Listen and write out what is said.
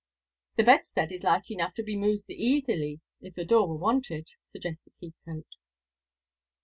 "The bedstead is light enough to be moved easily if the door were wanted," suggested Heathcote.